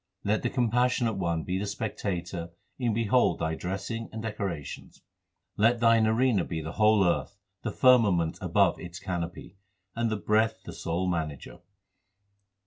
Let the Compassionate One be the spectator and behold thy dressing and decorations. Let thine arena be the whole earth, the firmament above its canopy, And the breath the sole manager.